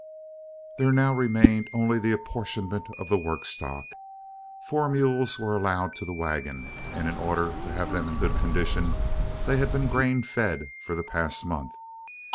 There now only remained the apportionment of the work stock. Four mules were allowed to the wagon, and in order to have them in good condition they had been grain fed for the past month.